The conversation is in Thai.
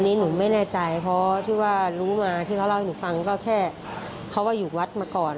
อันนี้หนูไม่แน่ใจเพราะที่ว่ารู้มาที่เขาเล่าให้หนูฟังก็แค่เขาว่าอยู่วัดมาก่อน